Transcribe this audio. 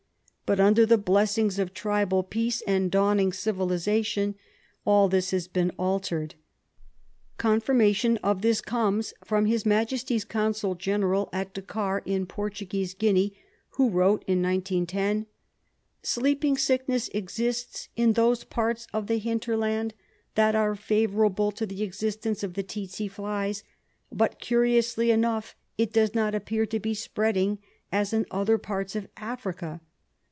But under the blessings of tribal peace and dawning civilisation, all this has been altered. Confirmation of this comes from H.M. Consul General at Dakar, in Portuguese Guinea, who wrote in 1910 :— "Sleeping sickness exists in those parts of the hinterland that are favourable to the existence of the tsetse flies; but, curiously enough, it does not appear to be spreading as in other parts of Africa.